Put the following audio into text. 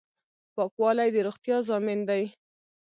پاکوالی د روغتیا ضامن دی.